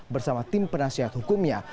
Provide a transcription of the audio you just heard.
bersama tim penasihat hukumnya